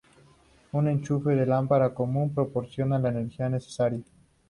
Un enchufe de lámpara común proporciona la energía necesaria.